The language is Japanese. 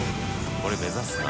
これ目指すな。